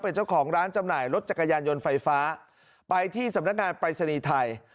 เป็นเจ้าของร้านจำหน่ายรถจักรยานยนต์ไฟฟ้าไปที่สำนักงานปรายศนีย์ไทย